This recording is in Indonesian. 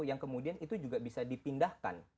yang kemudian itu juga bisa dipindahkan